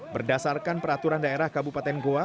berdasarkan peraturan daerah kabupaten goa